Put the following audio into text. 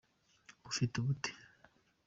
ufite ubute